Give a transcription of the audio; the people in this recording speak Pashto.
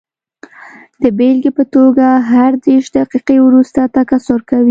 د بېلګې په توګه هر دېرش دقیقې وروسته تکثر کوي.